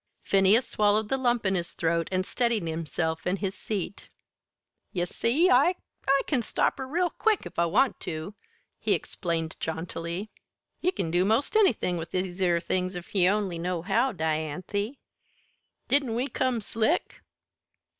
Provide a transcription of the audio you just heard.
Phineas swallowed the lump in his throat and steadied himself in his seat. "Ye see I I can stop her real quick if I want to," he explained jauntily. "Ye can do 'most anythin' with these 'ere things if ye only know how, Dianthy. Didn't we come slick?"